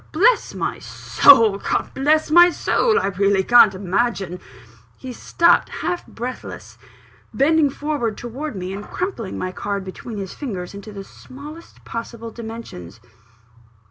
Bless my soul God bless my soul, I really can't imagine " He stopped, half breathless, bending forward towards me, and crumpling my card between his fingers into the smallest possible dimensions.